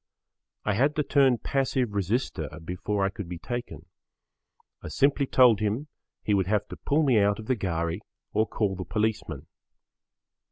I had to turn passive resister before I could be taken. I simply told him he would have to pull me out of the ghari or call the policeman.